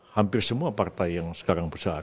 hampir semua partai yang sekarang bersaat